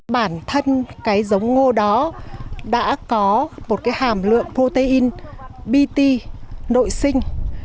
bản thân cái giống ngô đó đã có một cái hàm lượng protein bt nội sinh